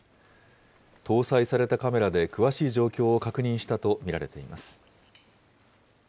搭載されたカメラで詳しい状況を確認したと見られています。